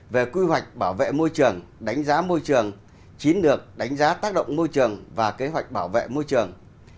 về quy hoạch bảo vệ môi trường đánh giá môi trường chín được đánh giá tác động môi trường và kế hoạch bảo vệ môi trường